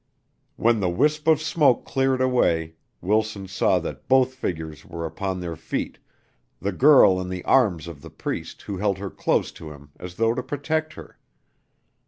When the wisp of smoke cleared away, Wilson saw that both figures were upon their feet the girl in the arms of the priest who held her close to him as though to protect her.